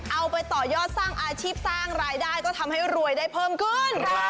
เอาไปต่อยอดสร้างอาชีพสร้างรายได้ก็ทำให้รวยได้เพิ่มขึ้น